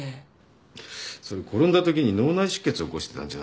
それ転んだときに脳内出血を起こしてたんじゃないのかな。